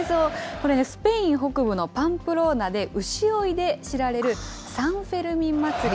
これね、スペイン北部のパンプローナで、牛追いで知られるサンフェルミン祭り。